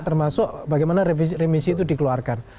termasuk bagaimana remisi itu dikeluarkan